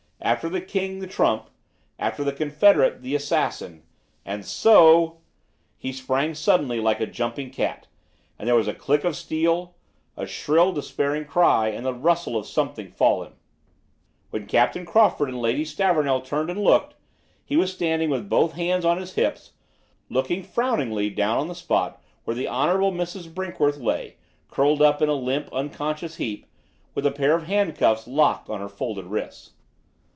After the king, the trump; after the confederate, the assassin! And so " He sprang suddenly, like a jumping cat, and there was a click of steel, a shrill, despairing cry, then the rustle of something falling. When Captain Crawford and Lady Stavornell turned and looked, he was standing with both hands on his hips, looking frowningly down on the spot where the Hon. Mrs. Brinkworth lay, curled up in a limp, unconscious heap, with a pair of handcuffs locked on her folded wrists.